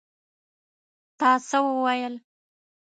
تا څه وویل?